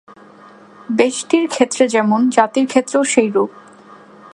ব্যষ্টির ক্ষেত্রে যেমন, জাতির ক্ষেত্রেও সেইরূপ।